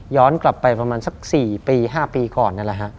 ย้อนกลับไปประมาณสัก๔๕ปีก่อน